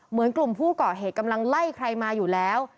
เหมือนกลุ่มผู้ก่อเหตุกำลังไล่ใครมาอยู่แล้ว